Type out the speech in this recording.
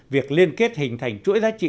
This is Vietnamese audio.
việc liên kết hình thành chuỗi giá trị